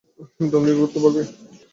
ডানদিকে ঘুরতে পারবি?